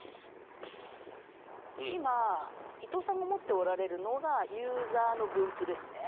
今伊藤さんが持っておられるのがユーザーの分布ですね。